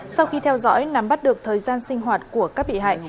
sau khi theo dõi nắm bắt được thời gian sinh hoạt của các bị hại